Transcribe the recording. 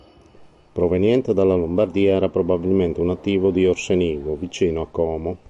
Proveniente dalla Lombardia, era probabilmente un nativo di Orsenigo, vicino a Como.